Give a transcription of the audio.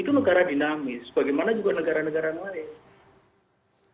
itu negara dinamis bagaimana juga negara negara lain